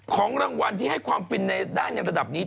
ของรางวัลที่ให้ความฟินได้ในระดับนี้